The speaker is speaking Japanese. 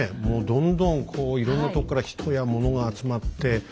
もうどんどんこういろんなとこから人やモノが集まって。